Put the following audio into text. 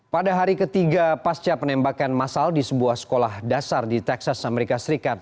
pada hari ketiga pasca penembakan masal di sebuah sekolah dasar di texas amerika serikat